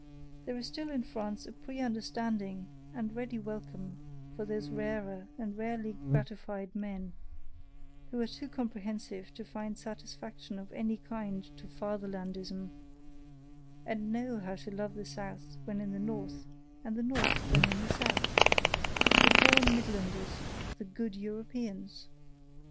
There is also still in France a pre understanding and ready welcome for those rarer and rarely gratified men, who are too comprehensive to find satisfaction in any kind of fatherlandism, and know how to love the South when in the North and the North when in the South the born Midlanders, the "good Europeans."